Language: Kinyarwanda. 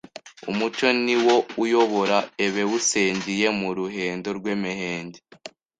Umuco niwo uyobore ebewusengiye mu ruhendo rw’emehenge